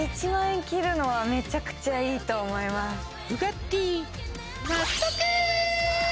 １万円切るのはめちゃくちゃいいと思います